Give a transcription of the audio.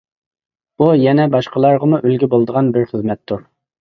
بۇ يەنە باشقىلارغىمۇ ئۈلگە بولىدىغان بىر خىزمەتتۇر.